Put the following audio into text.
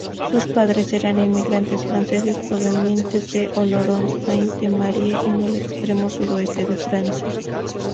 Sus padres eran inmigrantes franceses provenientes de Oloron-Sainte-Marie en el extremo suroeste de Francia.